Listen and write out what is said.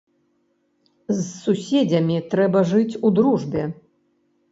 З суседзямі трэба жыць у дружбе.